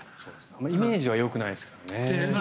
イメージはよくないですけどね。